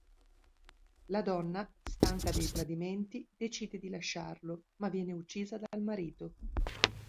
La donna, stanca dei tradimenti, decide di lasciarlo, ma viene uccisa dal marito.